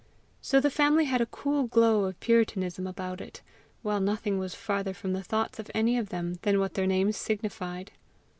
So the family had a cool glow of puritanism about it, while nothing was farther from the thoughts of any of them than what their names signified.